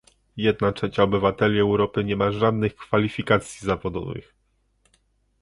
Jedna trzecia obywateli Europy nie ma żadnych kwalifikacji zawodowych